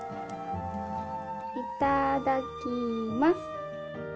いただきます。